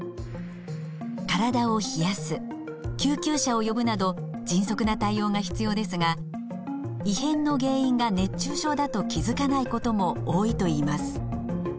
体を冷やす救急車を呼ぶなど迅速な対応が必要ですが異変の原因が熱中症だと気づかないことも多いといいます。